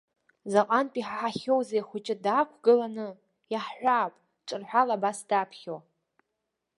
Заҟантә иҳаҳахьоузеи ахәыҷы даақәгыланы, иаҳҳәап, ҿырҳәала абас даԥхьо.